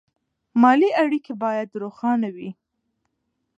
مالي اړیکې باید روښانه وي.